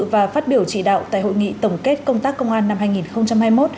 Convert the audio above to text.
và phát biểu chỉ đạo tại hội nghị tổng kết công tác công an năm hai nghìn hai mươi một